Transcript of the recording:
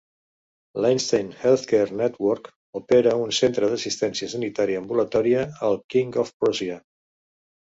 L'Einstein Healthcare Network opera un centre d'assistència sanitària ambulatòria al King of Prussia.